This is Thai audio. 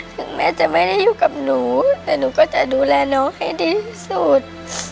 ถึงแม่จะไม่อยู่กับหนูหนูก็จะดูแลน้องให้ดีสุด